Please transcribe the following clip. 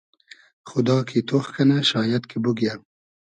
خودا کی تۉخ کئنۂ شایئد کی بوگیۂ